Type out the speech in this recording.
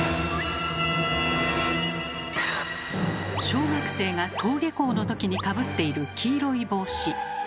小学生が登下校の時にかぶっている黄色い帽子。